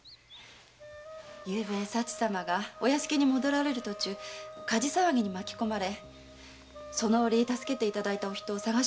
昨夜佐知様がお屋敷に戻られる途中火事騒ぎに巻き込まれそのおり助けていただいた人を捜してほしいそうなのですが。